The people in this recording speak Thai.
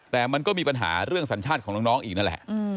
แต่มันก็มีปัญหาเรื่องสัญชาติของน้องอีกนั่นแหละ